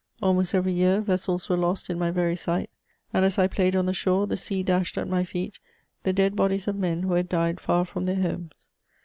Almost every year vessels were lost in my very sight ; and, as I played on the shore, the sea dashed at my feet the dead bodies of men who had died far from their homes.